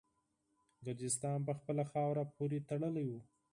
ګرجستان په خپله خاوره پوري تړلی وو.